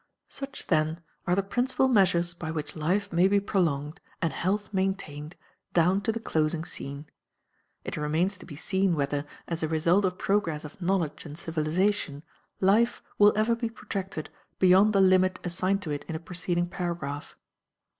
Such, then, are the principal measures by which life may be prolonged and health maintained down to the closing scene. It remains to be seen whether, as a result of progress of knowledge and civilization, life will ever be protracted beyond the limit assigned to it in a preceding paragraph.